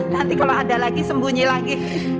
nanti kalau ada lagi sembunyi lagi